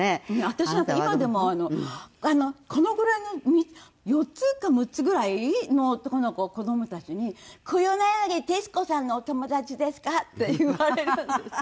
私なんか今でもこのぐらいの４つか６つぐらいの男の子子どもたちに「黒柳徹子さんのお友達ですか？」って言われるんです。